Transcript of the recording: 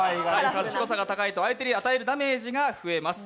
賢さが高いと相手に与えるダメージが増えます。